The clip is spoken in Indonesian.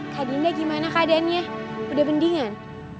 kak dinda gimana keadaannya udah mendingan